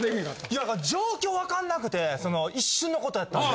いや状況わかんなくてその一瞬のことやったんで。